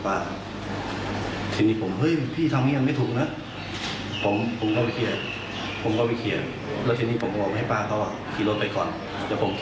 อย่างผมเพื่อนแคนนนี้เอง